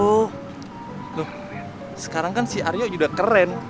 nuh sekarang kan si aryo udah keren